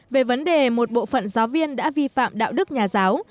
về vấn đề một bộ phận giáo viên đã vi phạm đạo đức nhà giáo